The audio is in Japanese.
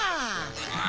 あ！